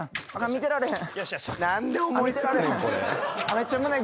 見てられへん。